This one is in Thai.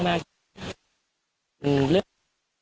สามสอง